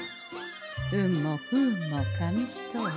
運も不運も紙一重。